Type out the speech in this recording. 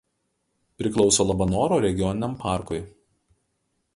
Priklauso Labanoro regioniniam parkui.